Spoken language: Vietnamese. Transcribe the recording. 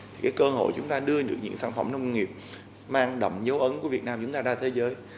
thì cái cơ hội chúng ta đưa được những sản phẩm nông nghiệp mang đậm dấu ấn của việt nam chúng ta ra thế giới